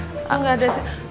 oh gak ada sih